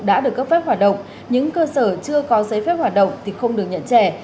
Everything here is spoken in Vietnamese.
đã được cấp phép hoạt động những cơ sở chưa có giấy phép hoạt động thì không được nhận trẻ